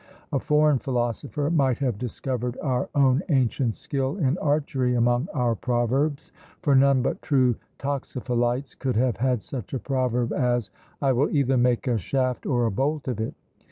A foreign philosopher might have discovered our own ancient skill in archery among our proverbs; for none but true toxophilites could have had such a proverb as, "I will either make a shaft or a bolt of it!"